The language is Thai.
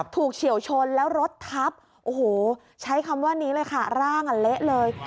เฉียวชนแล้วรถทับโอ้โหใช้คำว่านี้เลยค่ะร่างอ่ะเละเลย